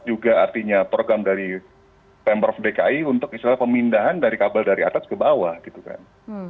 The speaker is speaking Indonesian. juga artinya program dari pemprov dki untuk istilah pemindahan dari kabel dari atas ke bawah gitu kan